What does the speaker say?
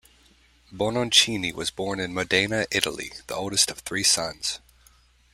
Bononcini was born in Modena, Italy, the oldest of three sons.